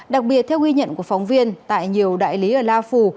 đặc biệt theo ghi nhận của phóng viên tại nhiều đại lý ở la phủ